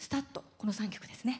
この３曲ですね。